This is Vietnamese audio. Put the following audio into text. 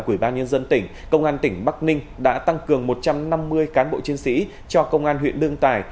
ủy ban nhân dân tỉnh công an tỉnh bắc ninh đã tăng cường một trăm năm mươi cán bộ chiến sĩ cho công an huyện lương tài